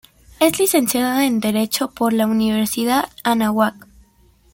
Es licenciado en derecho por la Universidad Anáhuac.